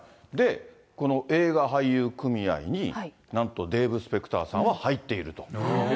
この映画俳優組合になんとデーブ・スペクターさんは入っていると。